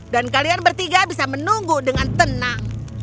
dan kalian bertiga bisa menunggu dengan tenang